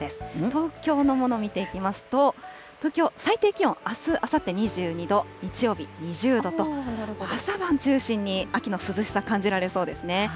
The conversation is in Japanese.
東京のもの見ていきますと、東京、最低気温、あす、あさって２２度、日曜日２０度と、朝晩中心に秋の涼しさ感じられそうですね。